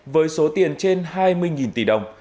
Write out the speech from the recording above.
với số tiền trên hai mươi tỷ đồng